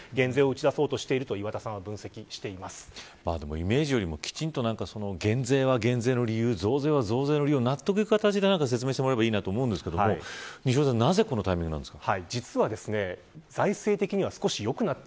イメージよりも、きちんと減税は減税の理由増税は増税の理由を納得のいく形で説明していただければいいと思うんですがなぜこのタイミングなんですか。